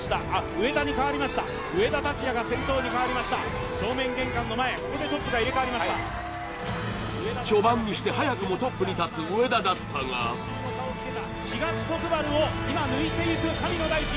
上田にかわりました上田竜也が先頭にかわりました正面玄関の前ここでトップが入れかわりました早くもだったが東国原を今抜いていく神野大地